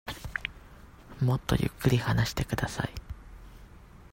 もっとゆっくり話してください。